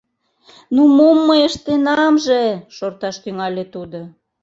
— Ну, мом мый ыштенамже? — шорташ тӱҥале тудо.